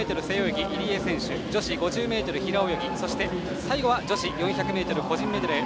女子５０ｍ平泳ぎそして最後は女子４００ｍ個人メドレー。